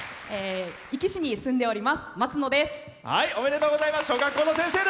壱岐市に住んでおりますまつのです。